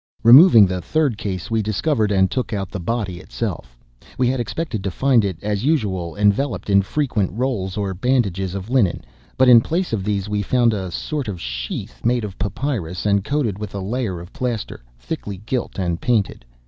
Removing the third case, we discovered and took out the body itself. We had expected to find it, as usual, enveloped in frequent rolls, or bandages, of linen; but, in place of these, we found a sort of sheath, made of papyrus, and coated with a layer of plaster, thickly gilt and painted.